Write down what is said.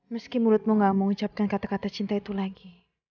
meski mulutmu gak mengucapkan kata kata cinta itu lagi